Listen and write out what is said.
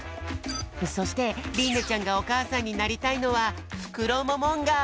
そしてりんねちゃんがおかあさんになりたいのはフクロモモンガ。